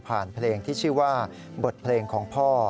เพลงที่ชื่อว่าบทเพลงของพ่อ